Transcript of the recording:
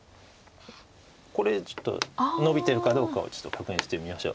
これちょっとのびてるかどうかを確認してみましょう。